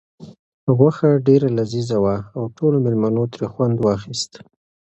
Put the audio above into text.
غوښه ډېره لذیذه وه او ټولو مېلمنو ترې خوند واخیست.